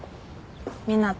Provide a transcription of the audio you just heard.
湊斗